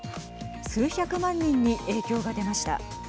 数百万人に影響が出ました。